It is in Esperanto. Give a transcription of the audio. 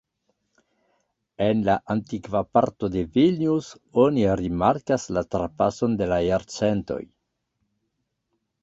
En la antikva parto de Vilnius oni rimarkas la trapason de la jarcentoj.